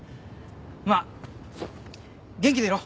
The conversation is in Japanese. まあ元気でいろ。